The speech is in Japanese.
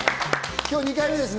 今日で２回目ですね。